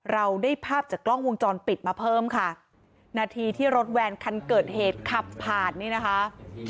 เราได้ภาพจากกล้องวงจรปิดมาเพิ่มค่ะนาทีที่รถแวนคันเกิดเหตุขับผ่านนี่นะคะ